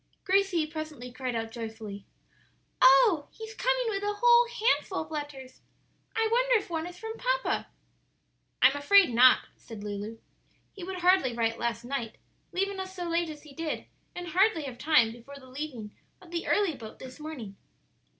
Gracie presently cried out joyfully, "Oh, he's coming with a whole handful of letters! I wonder if one is from papa." "I'm afraid not," said Lulu; "he would hardly write last night, leaving us so late as he did, and hardly have time before the leaving of the early boat this morning."